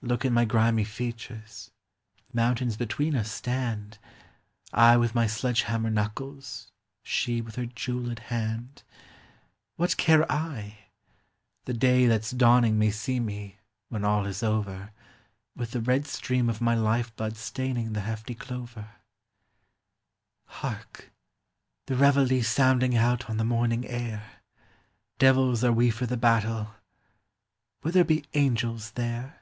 Look at my grimy features ; mountains between us stand : I with my sledge hammer knuckles, she with her jewelled hand I What care I ?— the day that *s dawning may see me, when all is over, With the red stream of my life blood staining the hefty clover. MEMORY. 321 Hark! the reveille sounding out on the morning air ; Devils are we for the battle — Will there be angels there